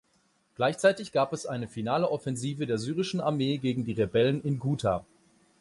Gleichzeitig gab es eine finale Offensive der syrischen Armee gegen die Rebellen in Ghuta.